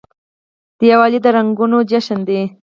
دیوالي د رڼاګانو جشن دی.